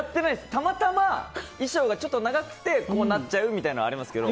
たまたま衣装がちょっと長くてこうなっちゃうのはありますけど。